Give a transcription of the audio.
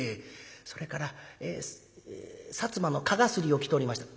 「それからえ薩摩の蚊絣を着ておりました」。